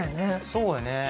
そうやね。